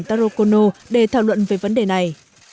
taro kono để thảo luận về vấn đề này